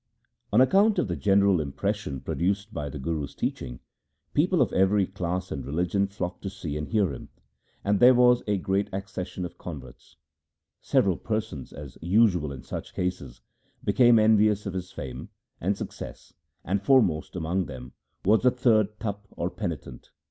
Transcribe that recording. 1 On account of the general impression produced by the Guru's teaching, people of every class and religion flocked to see and hear him, and there was 1 Asa. LIFE OF GURU RAM DAS 261 a great accession of converts. Several persons, as usual in such cases, became envious of his fame and success, and foremost among them was a third Tapa or penitent.